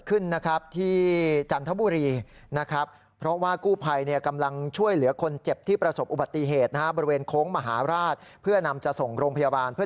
คันที่ขับมาเร็วนะไผ้เห็นแต่ไกลแล้ว